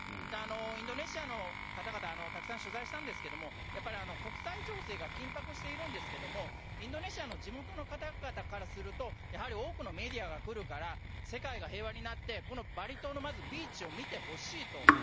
インドネシアの方々、たくさん取材したんですけれども、やっぱり国際情勢が緊迫しているんですけども、インドネシアの地元の方々からすると、やはり多くのメディアが来るから、世界が平和になって、このバリ島のまずビーチを見てほしいと。